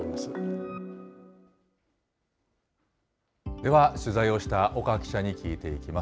では取材をした岡記者に聞いていきます。